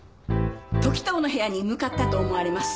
時任の部屋に向かったと思われます。